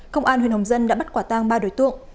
công an huyện hồng dân đã bắt quả tang ba đối tượng